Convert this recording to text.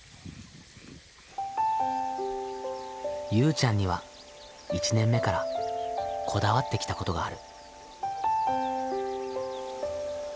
ゆうちゃんには１年目からこだわってきたことがある。